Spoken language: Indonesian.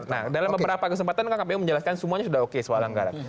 nah dalam beberapa kesempatan kan kpu menjelaskan semuanya sudah oke soal anggaran